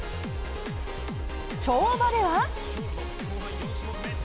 跳馬では。